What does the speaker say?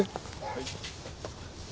はい。